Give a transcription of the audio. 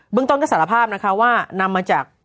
เรื่องต้นก็สารภาพนะคะว่านำมาจาก